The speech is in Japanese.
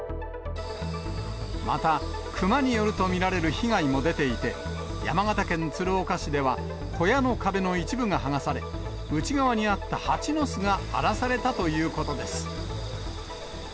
また、クマによると見られる被害も出ていて、山形県鶴岡市では、小屋の壁の一部が剥がされ、内側にあったハチの巣が荒らされたということです。